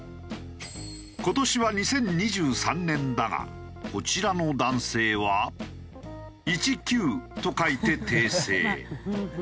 今年は「２０２３年」だがこちらの男性は「１９」と書いて訂正。